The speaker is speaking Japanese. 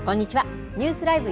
ニュースＬＩＶＥ！